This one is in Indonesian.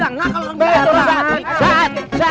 aneh udah gak kalau aneh